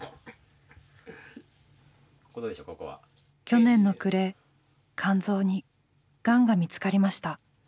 去年の暮れ肝臓にがんが見つかりました。